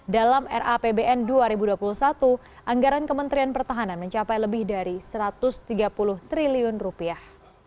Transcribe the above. dalam rapbn dua ribu dua puluh satu anggaran kementerian pertahanan mencapai lebih dari satu ratus tiga puluh triliun rupiah